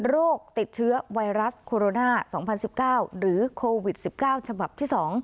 โรคติดเชื้อไวรัสโคโรนา๒๐๑๙หรือโควิด๑๙ฉบับที่๒